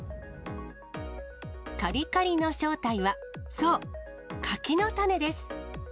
カリカリの正体は、そう、柿の種です。